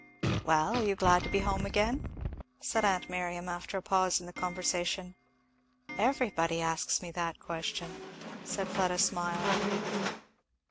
"Well are you glad to be home again?" said aunt Miriam after a pause in the conversation. "Everybody asks me that question," said Fleda smiling.